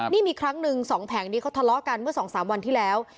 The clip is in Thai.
นี่มีครั้งหนึ่ง๒แผงนี้เขาทะเลาะกันเมื่อ๒๓วันที่แล้ว